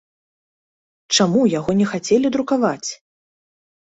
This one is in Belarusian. Чаму яго не хацелі друкаваць?